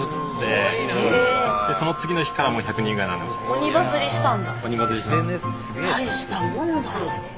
鬼バズリしたんだ。